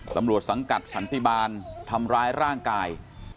สังกัดสันติบาลทำร้ายร่างกาย